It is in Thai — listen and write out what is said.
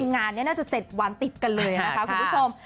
งานนี้น่าจะ๗วันติดกันเลยนะคะคุณผู้ชม